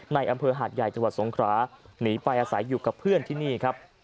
ในอำเภอหาดใหญ่จังหวัดสงคราหนีไปอาศัยอยู่กับเพื่อนที่นี่ครับ